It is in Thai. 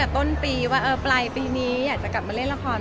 อย่างที่บอกต้นปีว่าปลายปีนี้อยากจะกลับมาเล่นละคร